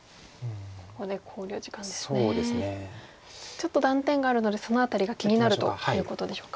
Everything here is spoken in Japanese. ちょっと断点があるのでその辺りが気になるということでしょうか。